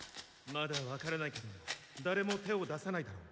・まだわからないけどだれも手を出さないだろう。